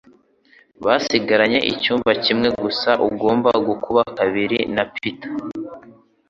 Basigaranye icyumba kimwe gusa: ugomba gukuba kabiri na Peter